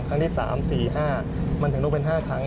ครั้งที่๓๔๕มันถึงต้องเป็น๕ครั้ง